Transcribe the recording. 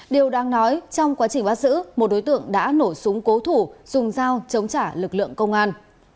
điều đang nói trong quá trình bắt giữ một đối tượng đã nổ súng cố thủ dùng dao chống trả lực lượng công an